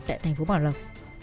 tại thành phố bảo lộc